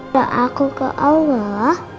bawa aku ke allah